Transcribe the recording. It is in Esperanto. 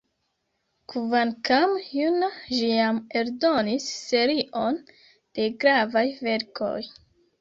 Kvankam juna, ĝi jam eldonis serion de gravaj verkoj.